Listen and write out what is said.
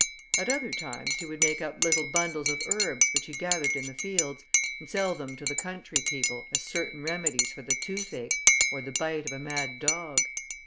At other times, he would make up little bundles of herbs, which he gathered in the fields, and sell them to the country people, as certain remedies for the tooth ache, or the bite of a mad dog.